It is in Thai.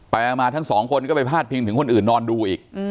ไปมาทั้งสองคนก็ไปพาดพิงถึงคนอื่นนอนดูอีก